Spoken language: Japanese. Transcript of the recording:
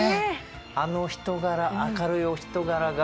あの人柄明るいお人柄が。